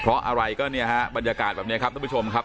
เพราะอะไรก็เนี่ยฮะบรรยากาศแบบนี้ครับท่านผู้ชมครับ